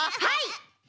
はい！